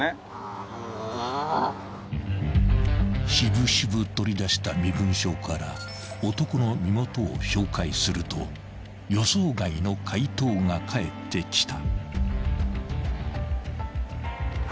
［渋々取り出した身分証から男の身元を照会すると予想外の回答が帰ってきた］